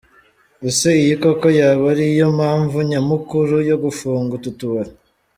Ese iyi koko yaba ari yo mpamvu nyamukuru yo gufunga utu tubari ?.